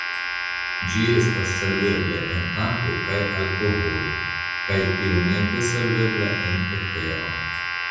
Ĝi estas solvebla en akvo kaj alkoholo kaj iomete solvebla en etero.